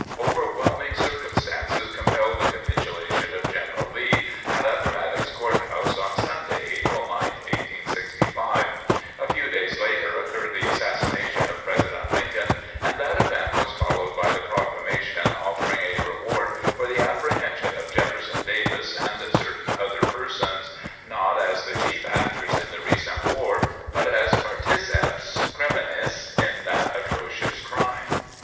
Overwhelming circumstances compelled the capitulation of General Lee at Appomattox Court House, on Sunday April 9th, 1865. A few days later occurred the assassination of President Lincoln and that event was followed by the proclamation offering a reward for the apprehension of Jefferson Davis and certain other persons, not as the chief actors in the recent war, but as particeps criminis in that atrocious crime.